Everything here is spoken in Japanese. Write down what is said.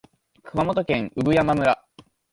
熊本県産山村